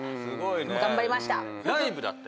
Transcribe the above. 頑張りました。